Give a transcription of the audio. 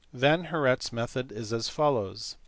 Van Heuraet s method is as follows.